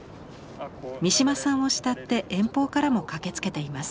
三島さんを慕って遠方からも駆けつけています。